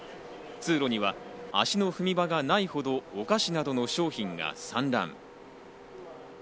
通路には足の踏み場がないほど、お菓子などの商品が散乱。